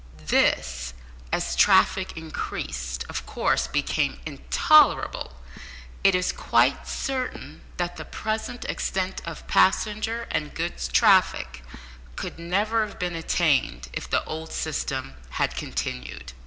This, as traffic increased, of course became intolerable, and it is quite certain that the present extent of passenger and goods traffic could never have been attained if the old system had continued.